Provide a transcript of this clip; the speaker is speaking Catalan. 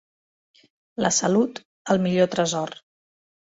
La salut, el millor tresor.